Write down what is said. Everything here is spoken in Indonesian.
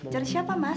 cari siapa mas